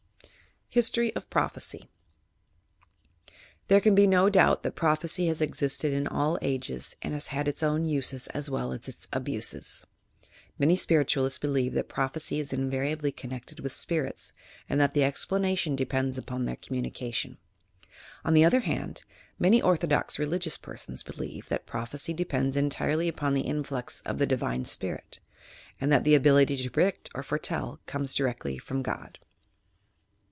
HISTOBT OP PROPHECY There can be no doubt that prophecy has existed in all ages and has had its own uses as well as its abuses. Many spiritualists believe that prophecy is invariably eonnected with spirits and that the explanation depends upon their communication. On the other hand, many orthodox religious persons believe that prophecy depends entirely upon the influx of the divine spirit, and that the ability to predict or foretell comes directly from God.